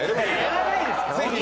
やらないですから。